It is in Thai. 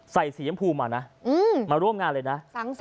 สียำพูมานะมาร่วมงานเลยนะ